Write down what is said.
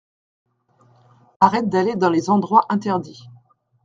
Arrête d’aller dans les endroits interdits.